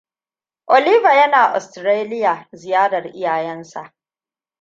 Oliva yana Australiya ziyarar iyayensa.